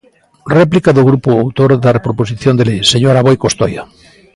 Réplica do grupo autor da proposición de lei, señora Aboi Costoia.